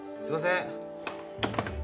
すいません。